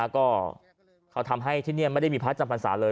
ก็เขาทำให้ที่นี่ไม่ได้มีพระจำพรรษาเลย